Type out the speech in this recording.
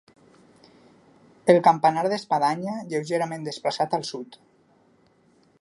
El campanar d'espadanya, lleugerament desplaçat al sud.